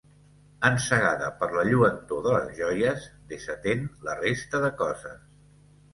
Encegada per la lluentor de les joies, desatén la resta de coses.